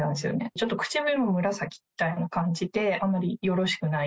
ちょっと唇も紫みたいな感じで、あまりよろしくない。